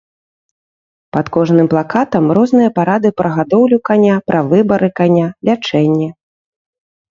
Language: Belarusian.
Пад кожным плакатам розныя парады пра гадоўлю каня, пра выбары каня, лячэнне.